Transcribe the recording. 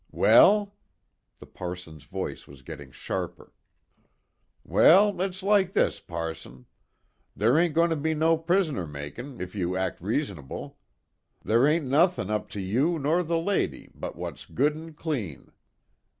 "Well?" The parson's voice was getting sharper. "Well, it's like this, passon. Ther' ain't goin' to be no prisoner makin' if you'll act reas'nable. Ther' ain't nuthin' up to you nor the leddy but wot's good an' clean.